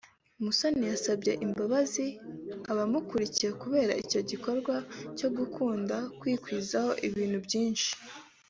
Musoni yasabye imbabazi abamukuriye kubera icyo gikorwa cyo gukunda kwigwizaho ibintu byinshi